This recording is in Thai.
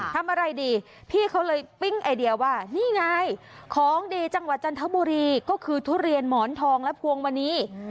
ทำอะไรดีพี่เขาเลยปิ้งไอเดียว่านี่ไงของดีจังหวัดจันทบุรีก็คือทุเรียนหมอนทองและพวงมณี